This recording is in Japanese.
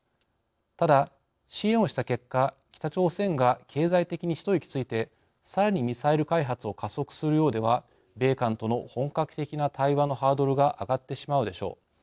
ただ支援をした結果北朝鮮が経済的に一息ついてさらにミサイル開発を加速するようでは米韓との本格的な対話のハードルが上がってしまうでしょう。